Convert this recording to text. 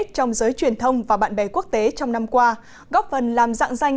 trong giới truyền thông và bạn bè quốc tế trong năm qua góp phần làm dạng danh